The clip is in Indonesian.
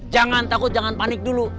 jangan takut jangan panik dulu